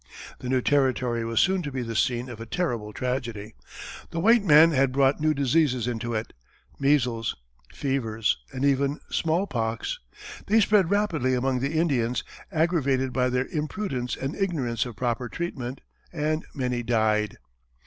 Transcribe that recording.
The new territory was soon to be the scene of a terrible tragedy. The white man had brought new diseases into it, measles, fevers, and even, smallpox; they spread rapidly among the Indians, aggravated by their imprudence and ignorance of proper treatment, and many died.